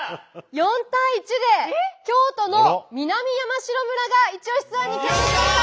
４対１で京都の南山城村がイチオシツアーに決定しました！